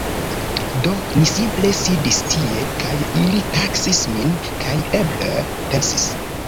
Do ni simple sidis tie kaj ili taksis min, kaj eble pensis: